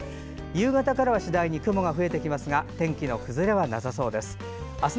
夕方からは次第に雲が増えてきますが天気の崩れはなさそうです。